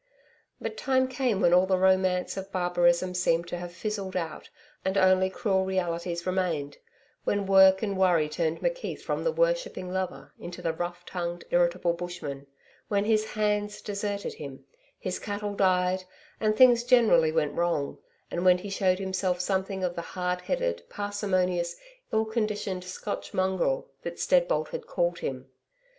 But time came when all the romance of barbarism seemed to have fizzled out and only cruel realities remained when work and worry turned McKeith from the worshipping lover into the rough tongued, irritable bushman when his 'hands' deserted him, his cattle died and things generally went wrong, and when he showed himself something of the hard headed, parsimonious, ill conditioned Scotch mongrel that Steadbolt had called him.